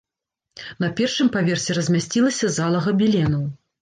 На першым паверсе размясцілася зала габеленаў.